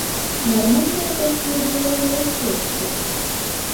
Нармальныя такія дзелавыя шорты!